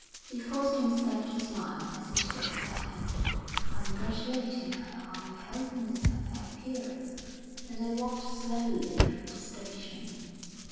He forced himself to smile as he took her hand, congratulating her on the healthiness of her appearance; and they walked slowly from the station.